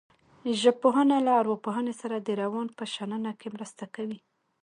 ژبپوهنه له ارواپوهنې سره د روان په شننه کې مرسته کوي